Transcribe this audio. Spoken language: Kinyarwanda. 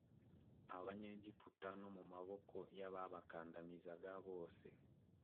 abanyegiputa no mu maboko y ababakandamizaga bose